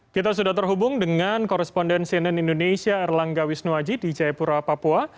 kita sudah terhubung dengan koresponden cnn indonesia erlangga wisnuwaji di jayapura papua